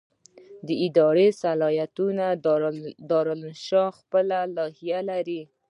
د اداري اصلاحاتو دارالانشا خپله لایحه لري.